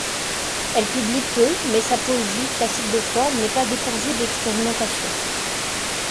Elle publie peu, mais sa poésie, classique de forme, n'est pas dépourvue d'expérimentations.